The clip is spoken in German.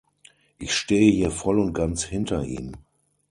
Ich stehe hier voll und ganz hinter ihm.